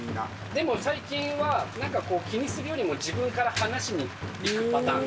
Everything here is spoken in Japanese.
でも最近は、なんか気にするよりも、自分から話しにいくパターン。